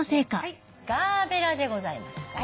ガーベラでございます。